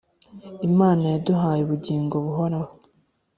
Imana yaduhaye ubugingo buhoraho,